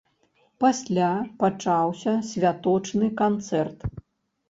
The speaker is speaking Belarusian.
Пасля пачаўся святочны канцэрт.